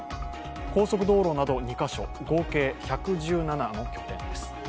高速道路など２カ所合計１１７の拠点です。